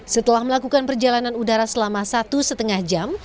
setelah melakukan perjalanan udara selama satu lima jam